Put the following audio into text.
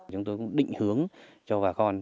chúng tôi cũng định hướng cho bà con